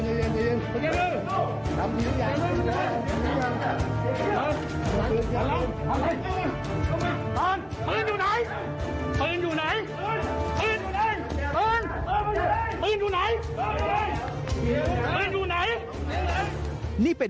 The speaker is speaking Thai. นี่เป็นร้อยประตูนะครับ